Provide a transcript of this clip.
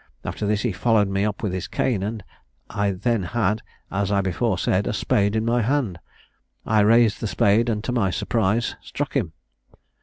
After this he followed me up with his cane, and I then had, as I before said, a spade in my hand. I raised the spade, and to my surprise struck him.